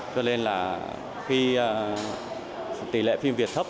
cho nên là khi tỷ lệ phim việt thấp